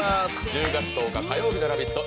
１０月１０日火曜日の「ラヴィット！」